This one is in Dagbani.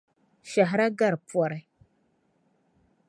Shɛhira gari pɔri.